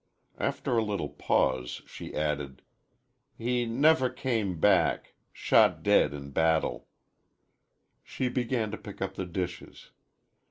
After a little pause she added, "He never come back shot dead in battle." She began to pick up the dishes.